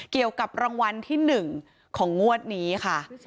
เกี่ยวกับรางวัลที่๑ของงวดนี้ค่ะ